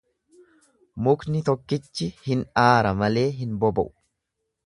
Mukni tokkichi hin aara malee hin boba'u.